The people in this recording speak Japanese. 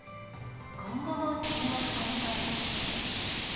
今後も注目されそうです。